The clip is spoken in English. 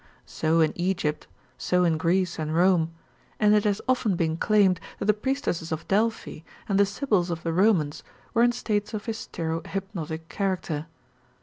So in Egypt, so in Greece and Rome; and it has often been claimed that the priestesses of Delphi and the sibyls of the Romans were in states of hystero hypnotic character.